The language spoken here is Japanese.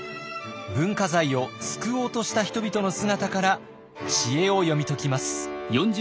文化財を救おうとした人々の姿から知恵を読み解きます。